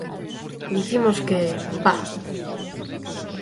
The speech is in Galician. Dicimos que, bah!